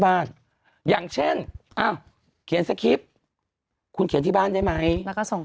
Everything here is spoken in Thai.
บ้านอย่างเช่นอ้าวเขียนสคริปต์คุณเขียนที่บ้านได้ไหมแล้วก็ส่ง